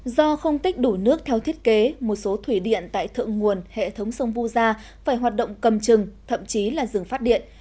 do không tích đủ nước theo thiết kế một số thủy điện tại thượng nguồn hệ thống sông vu gia phải hoạt động cầm chừng thậm chí là dừng phát điện